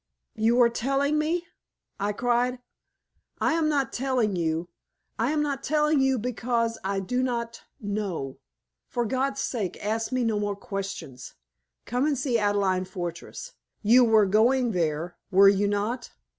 "You are telling me!" I cried. "I am not telling you; I am not telling you because I do not know. For God's sake ask me no more questions! Come and see Adelaide Fortress. You were going there, were you not?"